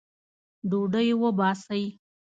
ډوډۍ وباسئ